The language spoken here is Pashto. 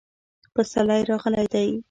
پسرلی راغلی دی